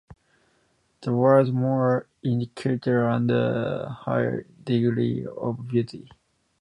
The word "more" indicates a higher degree of beauty.